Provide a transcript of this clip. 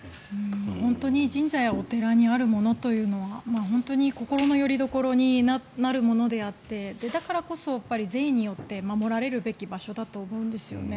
本当に神社やお寺にあるものというのは本当に心のよりどころになるものであってだからこそ善意によって守られるべき場所だと思うんですよね。